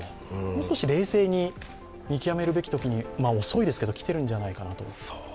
もう少し冷静に見極めるべき時に、遅いですけれども、来てるんじゃないかと。